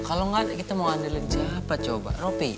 kalau nggak kita mau ngandelin cepat coba ropi